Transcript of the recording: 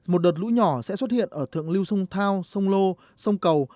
một đợt lũ nhỏ sẽ xuất hiện ở thượng lưu sông thao sông lô sông cầu